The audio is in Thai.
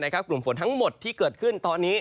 กลุ่มฝนทั้งหมดที่เกิดขึ้นตอนนี้